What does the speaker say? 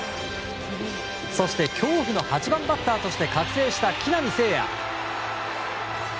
そして恐怖の８番バッターとして覚醒した木浪聖也。